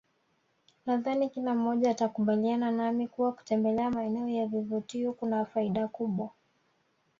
Nadhani kila mmoja atakubaliana nami kuwa kutembelea maeneo ya vivutio kuna faida kubwa